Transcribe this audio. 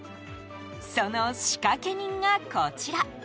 その仕掛け人が、こちら。